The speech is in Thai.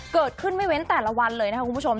เกิดขึ้นไม่เว้นแต่ละวันเลยนะคะคุณผู้ชม